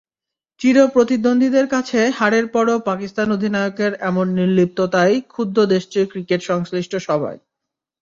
চিরপ্রতিদ্বন্দ্বীদের কাছে হারের পরও পাকিস্তান অধিনায়কের এমন নির্লিপ্ততায় ক্ষুব্ধ দেশটির ক্রিকেট-সংশ্লিষ্ট সবাই।